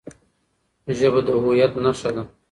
ژبه د هويت نښه ده.